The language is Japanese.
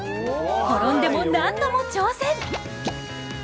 転んでも何度も挑戦。